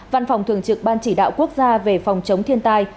văn phòng thường trực ban chỉ đạo quốc gia về phòng chống thiên tai